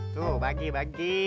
tuh bagi bagi